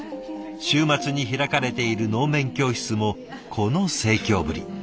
週末に開かれている能面教室もこの盛況ぶり。